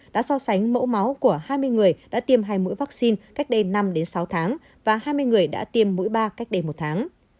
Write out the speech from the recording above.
đã so sánh mẫu máu của hai mươi người đã tiêm hai mũi vaccine cách đây năm sáu tháng và hai mươi người đã tiêm mũi ba cách đây một tháng